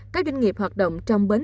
các doanh nghiệp hoạt động trong bến